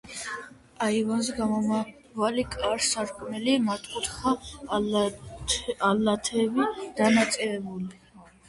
აივანზე გამომავალი კარ-სარკმლები მართკუთხაა, ალათები დანაწევრებული.